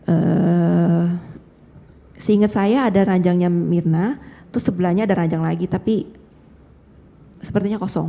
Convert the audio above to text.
eh seingat saya ada ranjangnya mirna terus sebelahnya ada ranjang lagi tapi sepertinya kosong